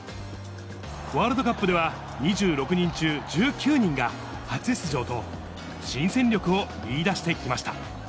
ワールドカップでは２６人中、１９人が初出場と、新戦力を見いだしてきました。